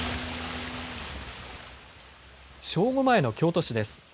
正午前の京都市です。